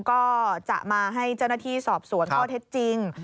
ก็จะมาให้เจ้าหน้าที่สอบสวนข้อเท็จจริง